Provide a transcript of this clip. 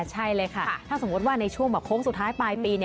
ใช่เลยค่ะถ้าสมมุติว่าในช่วงแบบโค้งสุดท้ายปลายปี